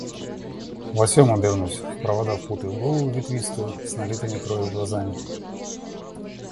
Лосем обернусь, в провода впутаю голову ветвистую с налитыми кровью глазами.